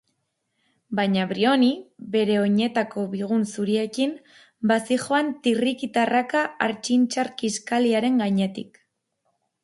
Baina Briony, bere oinetako bigun zuriekin, bazihoan tirriki-tarraka hartxintxar kiskaliaren gainetik.